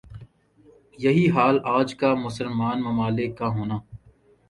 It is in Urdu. یہی حال آج کا مسلمان ممالک کا ہونا